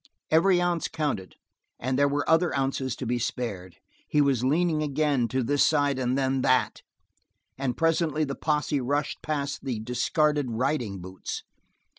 Every ounce counted, and there were other ounces to be spared. He was leaning again, to this side and then to that, and presently the posse rushed past the discarded riding boots.